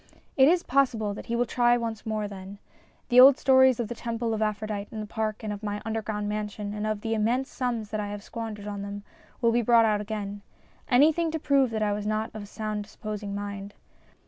It is possible that he will try once more then. The old stories of the Temple of Aphrodite in the park and of my underground mansion and of the immense sums that I have squandered on them will be brought out again anything to prove that I was not of sound disposing mind.